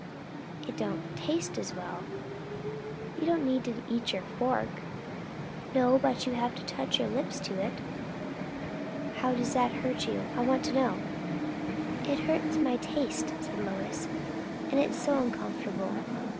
"It don't taste as well." "You don't need to eat your fork." "No, but you have to touch your lips to it." "How does that hurt you, I want to know?" "It hurts my taste," said Lois; "and so it is uncomfortable.